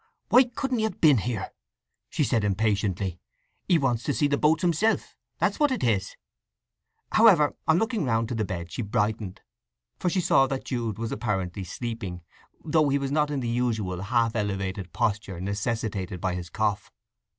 "Why couldn't he have been here!" she said impatiently. "He wants to see the boats himself—that's what it is!" However, on looking round to the bed she brightened, for she saw that Jude was apparently sleeping, though he was not in the usual half elevated posture necessitated by his cough.